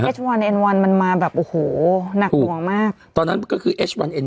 เอ็ดช์วันเอ็ดวันมันมาแบบโอ้โหหนักตัวมากตอนนั้นก็คือเอ็ดช์วันเอ็ด